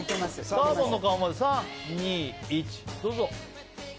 サーモンの顔まで３、２、１どうぞ。